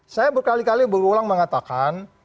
saya berkali kali berulang mengatakan